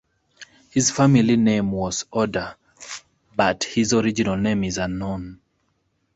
His family name was Oda, but his original name is unknown.